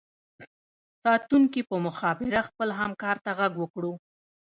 ساتونکي په مخابره خپل همکار ته غږ وکړو